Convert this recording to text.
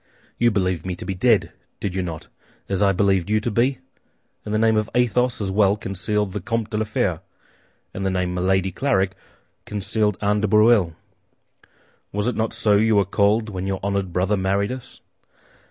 "You believed me to be dead, did you not, as I believed you to be? And the name of Athos as well concealed the Comte de la Fère, as the name Milady Clarik concealed Anne de Breuil. Was it not so you were called when your honored brother married us?